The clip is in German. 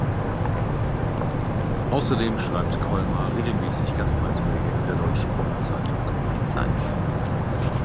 Außerdem schreibt Kolmar regelmäßig Gastbeiträge in der deutschen Wochenzeitung "Die Zeit".